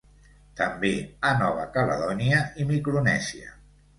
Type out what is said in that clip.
També a Nova Caledònia i Micronèsia.